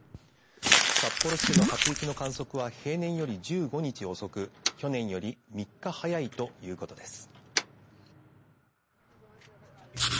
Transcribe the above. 札幌市での初雪の観測は平年より１５日遅く去年より３日早いということです。